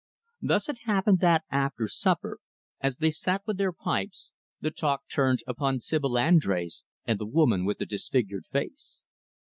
Thus it happened that, after supper, as they sat with their pipes, the talk turned upon Sibyl Andrés and the woman with the disfigured face.